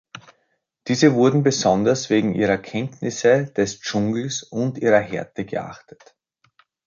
Diese wurden besonders wegen ihrer Kenntnisse des Dschungels und ihrer Härte geachtet.